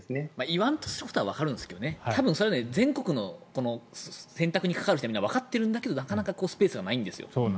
言わんとすることはわかるんですけど全国の洗濯に関わる人はわかってるんだけど、なかなかスペースがないんですよ。